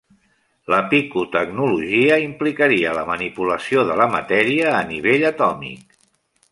La picotecnologia implicaria la manipulació de la matèria a nivell atòmic.